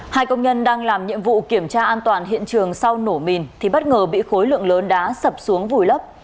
hai công nhân đang làm nhiệm vụ kiểm tra an toàn hiện trường sau nổ mìn thì bất ngờ bị khối lượng lớn đá sập xuống vùi lấp